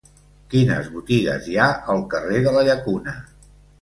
Quines botigues hi ha al carrer de la Llacuna?